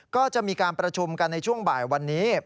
ก็จะมีการประชุมกันในช่วงบ่ายวันนี้